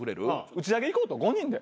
打ち上げ行こうと５人で。